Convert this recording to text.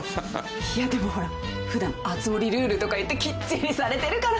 いやでもほら普段熱護ルールとかいってきっちりされてるから。